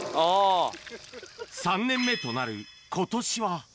３年目となることしは。